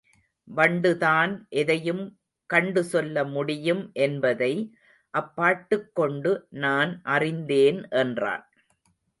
வண்டுதான் எதையும் கண்டு சொல்ல முடியும் என்பதை அப்பாட்டுக் கொண்டு நான் அறிந்தேன் என்றான்.